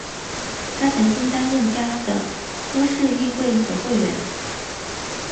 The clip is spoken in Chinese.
他曾经担任加的夫市议会的议员。